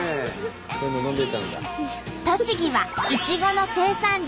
栃木はいちごの生産量